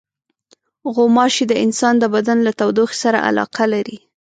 غوماشې د انسان د بدن له تودوخې سره علاقه لري.